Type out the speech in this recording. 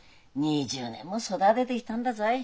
２０年も育ててきたんだぞい。